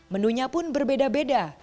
menunya pun berbeda beda